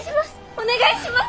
お願いします！